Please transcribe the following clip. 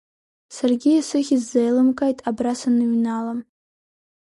Саргьы исыхьыз сзеилымкааит, абра саныҩнала.